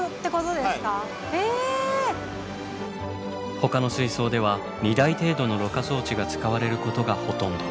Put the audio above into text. ほかの水槽では２台程度のろ過装置が使われることがほとんど。